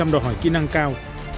một mươi hai đòi hỏi kỹ năng cao